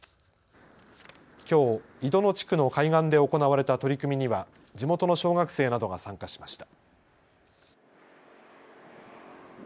きょう井戸野地区の海岸で行われた取り組みには地元の小学生などが参加しました。